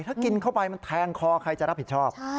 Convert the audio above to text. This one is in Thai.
ถ้ากินเข้าไปมันแทงคอใครจะรับผิดชอบ